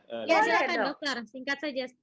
boleh doktor singkat saja